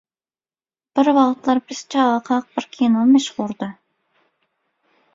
Bir wagtlar biz çagakak bir kino meşhurdy